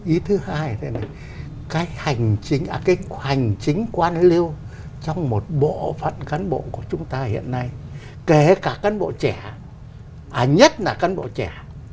ý thứ hai là cái hành chính hành chính quan lưu trong một bộ phận cán bộ của chúng ta hiện nay kể cả cán bộ trẻ à nhất là cán bộ trẻ